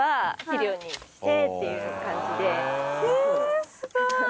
えすごい！